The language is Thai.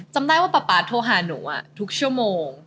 จำได้ว่าป๊าป๊าโทรหาหนูทุกชั่วโมง